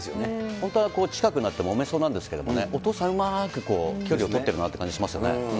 本当は近くなってもめそうなんですけどね、お父さんうまく距離を取ってるなって感じしますよね。